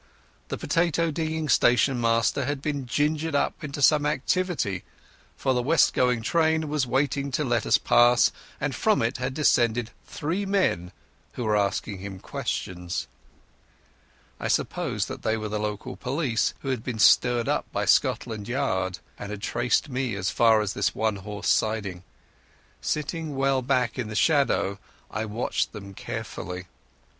The potato digging station master had been gingered up into some activity, for the west going train was waiting to let us pass, and from it had descended three men who were asking him questions. I supposed that they were the local police, who had been stirred up by Scotland Yard, and had traced me as far as this one horse siding. Sitting well back in the shadow I watched them carefully.